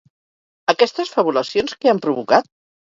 Aquestes fabulacions què han provocat?